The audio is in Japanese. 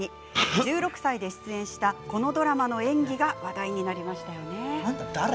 １６歳で出演したこのドラマの演技が話題になりました。